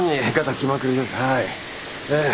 ええ。